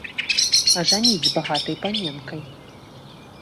Ажаніць з багатай паненкай.